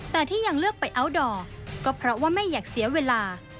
แต่ที่ยังเลือกไปอัลดอร์ก็เพราะว่าไม่อยากเสียเวลา